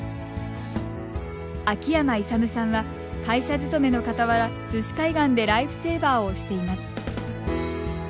秋山勇さんは会社勤めのかたわら、逗子海岸でライフセーバーをしています。